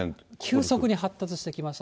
急速に発達してきました。